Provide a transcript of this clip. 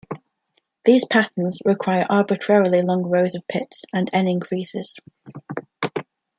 These patterns require arbitrarily long rows of pits and "n" increases.